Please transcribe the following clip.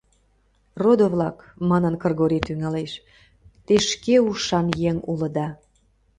— Родо-влак! — манын Кыргорий тӱҥалеш, — те шке ушан еҥ улыда.